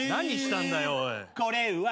何したんだよおい。